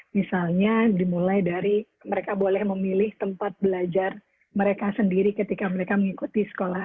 misalnya dimulai dari mereka boleh memilih tempat belajar mereka sendiri ketika mereka mengikuti sekolah